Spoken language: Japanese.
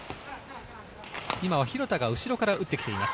今は廣田が後ろから打ってきています。